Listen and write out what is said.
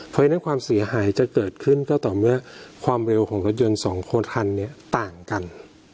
เพราะฉะนั้นความเสียหายจะเกิดขึ้นก็ต่อเมื่อความเร็วของรถยนต์สองคนคันเนี่ยต่างกัน